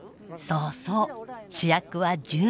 そうそう主役は住民。